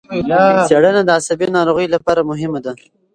څېړنه د عصبي ناروغیو لپاره مهمه ده.